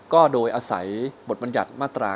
ก็โดยอาศัยบทบรรยัติมาตรา๑